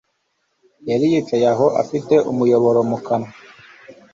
Yari yicaye aho afite umuyoboro mu kanwa